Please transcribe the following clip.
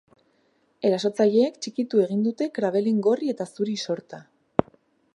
Erasotzaileek txikitu egin dute krabelin gorri eta zuri sorta.